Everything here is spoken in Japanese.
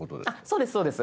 そうですそうです。